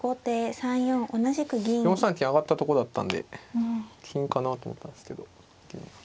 ４三金上がったとこだったんで金かなと思ったんですけど銀を上がって。